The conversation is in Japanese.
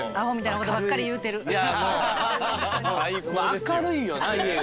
明るいよな家が。